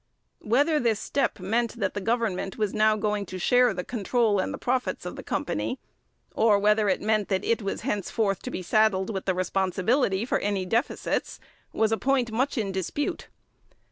Whether this step meant that the government was now going to share the control and the profits of the company, or whether it meant that it was henceforth to be saddled with the responsibility for any deficits, was a point much in dispute.